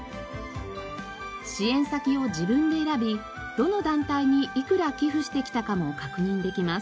支援先を自分で選びどの団体に幾ら寄付してきたかも確認できます。